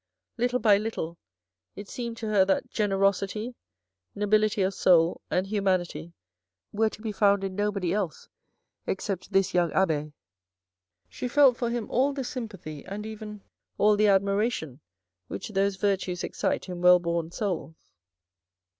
Little by little, it seemed to her that generosity, nobility of soul and humanity were to be found in nobody else except this young abbe\ She felt for him all the sympathy and even all the admiration which those virtues excite in well born souls.